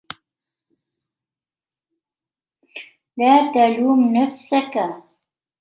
لا تلوم نفسك.